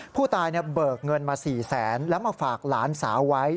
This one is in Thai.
เบิกเงินมา๔แสนแล้วมาฝากหลานสาวไว้